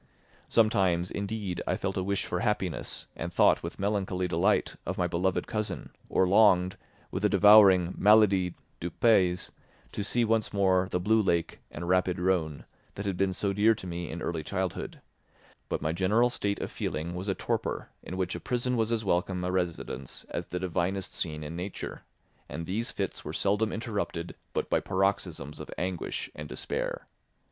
Sometimes, indeed, I felt a wish for happiness and thought with melancholy delight of my beloved cousin or longed, with a devouring maladie du pays, to see once more the blue lake and rapid Rhone, that had been so dear to me in early childhood; but my general state of feeling was a torpor in which a prison was as welcome a residence as the divinest scene in nature; and these fits were seldom interrupted but by paroxysms of anguish and despair.